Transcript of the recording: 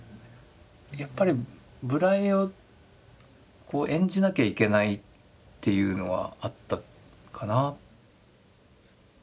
やっぱり無頼を演じなきゃいけないっていうのはあったかな。